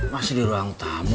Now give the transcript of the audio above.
masih di ruang tamu